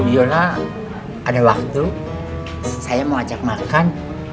bu viola ada waktu saya mau ajak makan